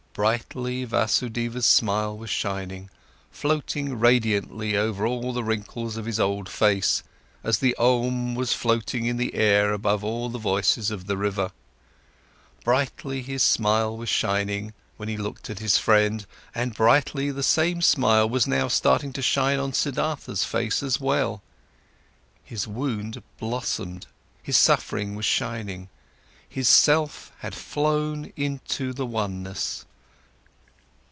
Brightly, Vasudeva's smile was shining, floating radiantly over all the wrinkles of his old face, as the Om was floating in the air over all the voices of the river. Brightly his smile was shining, when he looked at his friend, and brightly the same smile was now starting to shine on Siddhartha's face as well. His wound blossomed, his suffering was shining, his self had flown into the oneness.